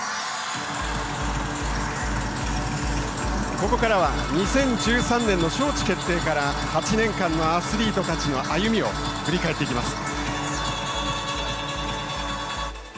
ここからは２０１３年の招致決定から８年間のアスリートたちの歩みを振り返っていきます。